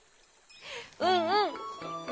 うんうん。